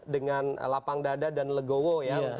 dengan lapang dada dan legowo ya